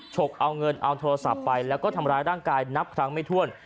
ฉกเอาเงินเอาโทรศัพท์ไปแล้วก็ทำร้ายร่างกายนับครั้งไม่ถ้วน